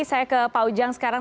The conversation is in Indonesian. saya ke pak ujang sekarang